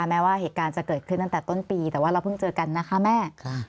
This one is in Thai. แม้ว่าเหตุการณ์จะเกิดขึ้นตั้งแต่ต้นปีแต่ว่าเราเพิ่งเจอกันนะคะแม่